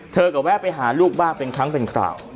เธอก็แวะไปหาลูกบ้านเป็นทั้งหนึ่ง